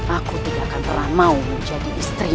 aku tidak akan pernah mau menjadi istri